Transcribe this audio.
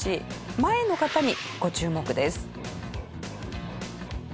前の方にご注目です。